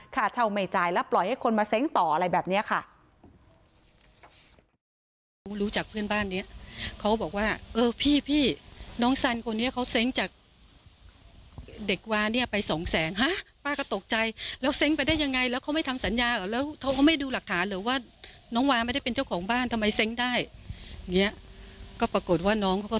ค่าเช่าไม่จ่ายแล้วปล่อยให้คนมาเซ้งต่ออะไรแบบนี้ค่ะ